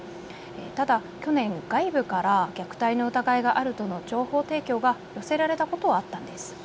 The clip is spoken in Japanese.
ただ去年、外部から虐待の疑いがあるとの情報提供が寄せられたことはあったんです。